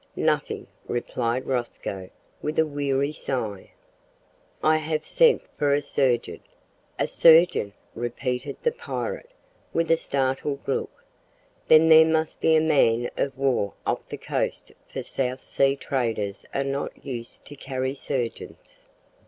"Nothing," replied Rosco, with a weary sigh. "I have sent for a surgeon " "A surgeon!" repeated the pirate, with a startled look; "then there must be a man of war off the coast for South sea traders are not used to carry surgeons."